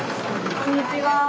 こんにちは。